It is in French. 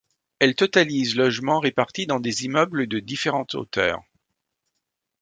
Elle totalise logements répartis dans des immeubles de différentes hauteurs.